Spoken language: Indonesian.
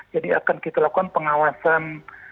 jadi akan kita lakukan pengawasan